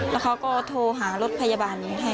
แล้วเขาก็โทรหารถพยาบาลให้